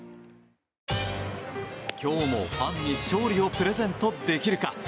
今日もファンに勝利をプレゼントできるか。